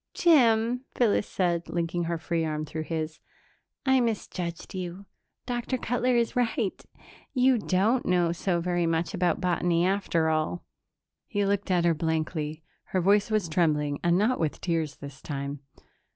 "Jim," Phyllis said, linking her free arm through his, "I misjudged you. Dr. Cutler is right. You don't know so very much about botany, after all." He looked at her blankly. Her voice was trembling, and not with tears this time.